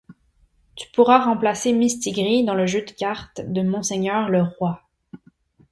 Tu pourras remplacer Mistigri dans le jeu de cartes de monseigneur le roi.